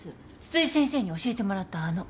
津々井先生に教えてもらったあの。